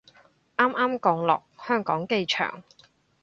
啱啱降落香港機場